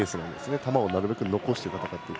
球を投げるときに残して戦っている。